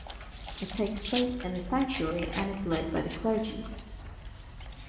It takes place in the sanctuary and is led by the clergy.